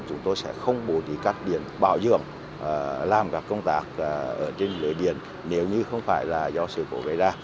chúng tôi sẽ không bổ trí các điện bảo dưỡng làm các công tác trên lưới điện nếu như không phải do sự bổ vệ ra